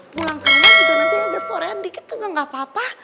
pulang ke rumah juga nanti agak sorean dikit juga gak apa apa